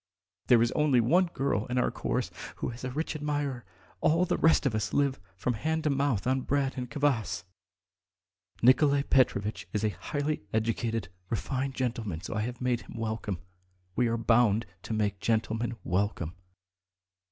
There is only one girl in our chorus who has a rich admirer; all the rest of us live from hand to mouth on bread and kvass. Nikolay Petrovitch is a highly educated, refined gentleman, so I've made him welcome. We are bound to make gentlemen welcome."